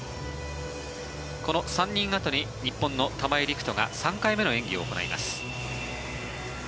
この３人あとに日本の玉井陸斗が３回目の演技を行います。